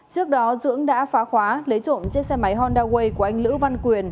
trước đó dưỡng đã phá khóa lấy trộm chiếc xe máy honda way của anh lữ văn quyền